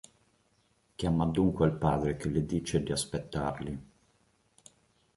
Chiama dunque il padre che le dice di aspettarli.